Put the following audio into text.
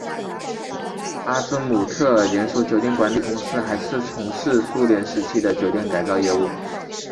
阿兹姆特连锁酒店管理公司还从事苏联时期的酒店改造业务。